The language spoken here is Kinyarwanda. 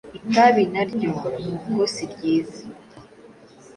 Itabi naryo nuko siryiza